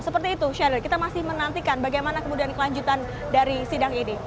seperti itu syahril kita masih menantikan bagaimana kemudian kelanjutan dari sidang ini